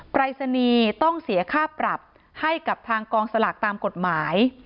ปรายศนีย์ต้องเสียค่าปรับให้กับทางกองสลากตามกฎหมาย